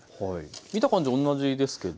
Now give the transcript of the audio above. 見た感じ同じですけど。